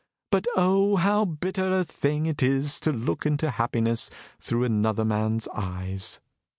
"But, oh, how bitter a thing it is to look into happiness through another man's eyes!"